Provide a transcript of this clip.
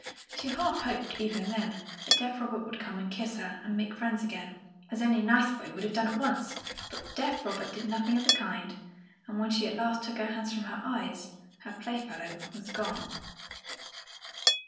She half hoped, even then, that deaf Robert would come and kiss her and make friends again, as any nice boy would have done at once; but deaf Robert did nothing of the kind, and when she at last took her hands from her eyes, her playfellow was gone.